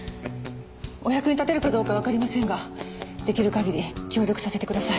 お役に立てるかどうかわかりませんができる限り協力させてください。